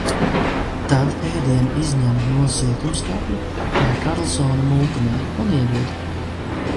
Tad ēdienu izņem no siltumskapja, kā Karlsona multenē, un iedod.